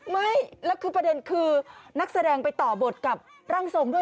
ไม่แล้วคือประเด็นคือนักแสดงไปต่อบทกับร่างทรงด้วย